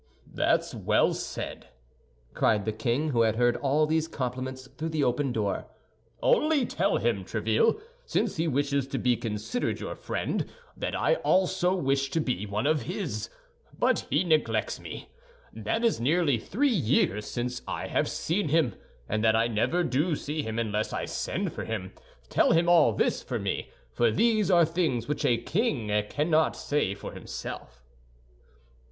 "That's well said," cried the king, who had heard all these compliments through the open door; "only tell him, Tréville, since he wishes to be considered your friend, that I also wish to be one of his, but he neglects me; that it is nearly three years since I have seen him, and that I never do see him unless I send for him. Tell him all this for me, for these are things which a king cannot say for himself."